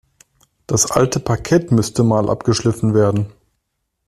Das alte Parkett müsste Mal abgeschliffen werden.